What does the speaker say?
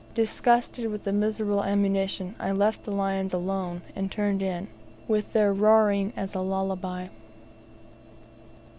Disgusted with the miserable ammunition, I left the lions alone, and turned in, with their roaring as a lullaby.